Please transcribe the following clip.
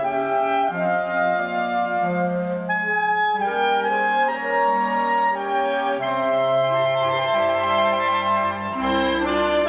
โปรดติดตามต่อไป